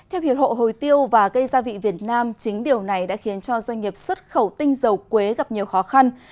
theo hiệp hộ hồi tiêu và cây gia vị việt nam chính điều này đã khiến cho doanh nghiệp xuất khẩu tinh dầu quế gặp nhiều khó khăn